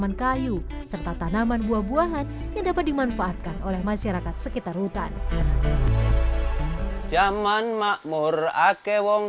mencumbui banyak tanaman kayu serta tanaman buah buahan